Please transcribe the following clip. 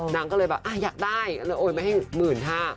นางก็เลยแบบอยากได้แล้วโอ๊ยไม่ให้หมื่นทา